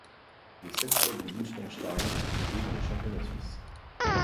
Les sept clubs du Liechtenstein jouent dans les championnats suisses.